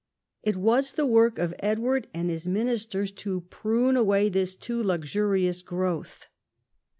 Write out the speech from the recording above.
It was the work of Edward and his ministers to prune away this too luxuriant growth.